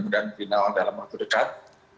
dan final dalam waktu dekat